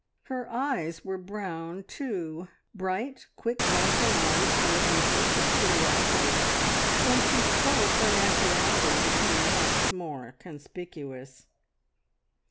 Her eyes were brown, too bright, quick glancing eyes full of interest and curiosity. When she spoke her nationality became once more conspicuous.